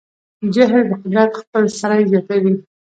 جهل د قدرت خپل سری زیاتوي.